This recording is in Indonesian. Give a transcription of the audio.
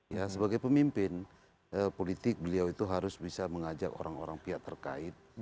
ya sebagai pemimpin politik beliau itu harus bisa mengajak orang orang pihak terkait